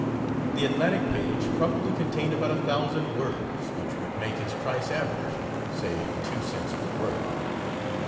The Atlantic page probably contained about a thousand words, which would make his price average, say, two cents per word.